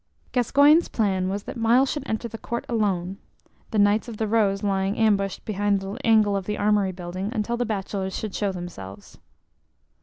Gascoyne's plan was that Myles should enter the court alone, the Knights of the Rose lying ambushed behind the angle of the armory building until the bachelors should show themselves.